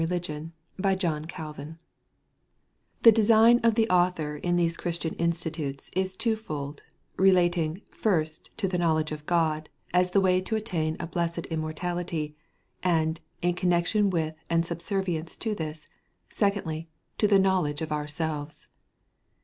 Gal. ii. 17.] GENERAL SYLLABUS The design of the Author in these Christian Institutes is twofold, relating, First to the knowledge of God, as the way to attain a blessed immortality; and, in connection with and subservience to this, Secondly, to the knowledge of ourselves.